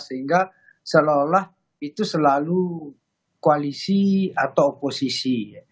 sehingga seolah olah itu selalu koalisi atau oposisi